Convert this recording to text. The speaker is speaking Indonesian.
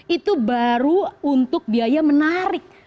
itu baru untuk biaya menarik